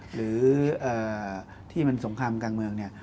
หรือที่มันสงครามกลางเมืองเนี่ย